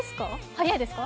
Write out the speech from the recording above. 早いですか？